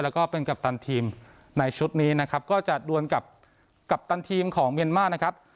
แล้วก็เป็นกัปตันทีมในชุดนี้นะครับก็จะดวนกับกัปตันทีมของเมียนมาร์นะครับ